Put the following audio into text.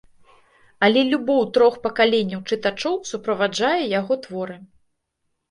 Але любоў трох пакаленняў чытачоў суправаджае яго творы.